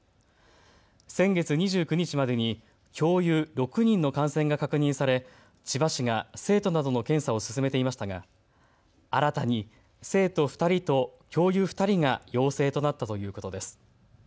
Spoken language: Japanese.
先月２９日までに教諭６人の感染が確認され、千葉市が生徒などの検査を進めていましたが新たに生徒２人と教諭２人が陽性となったということです。